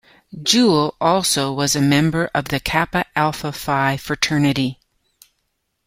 Jewell also was a member of the Kappa Alpha Phi fraternity.